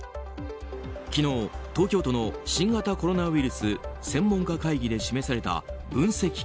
昨日、東京都の新型コロナウイルス専門家会議で示された分析